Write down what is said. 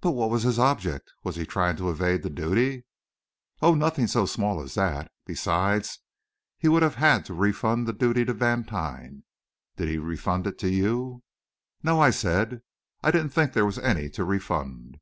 "But what was his object? Was he trying to evade the duty?" "Oh, nothing so small as that! Besides, he would have had to refund the duty to Vantine. Did he refund it to you?" "No," I said, "I didn't think there was any to refund.